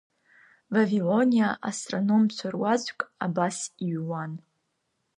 Вавилониа астрономцәа руаӡәк абас иҩуан…